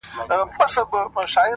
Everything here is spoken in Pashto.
• په سپورمۍ كي ستا تصوير دى؛